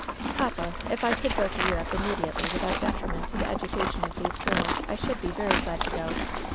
"Papa, if I could go to Europe immediately without detriment to the education of these girls, I should be very glad to go.